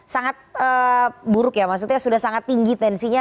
sangat buruk ya maksudnya sudah sangat tinggi tensinya